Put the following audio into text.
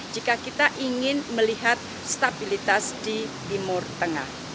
jika kita ingin melihat stabilitas di timur tengah